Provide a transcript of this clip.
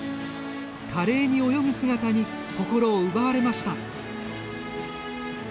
華麗に泳ぐ姿に心を奪われました。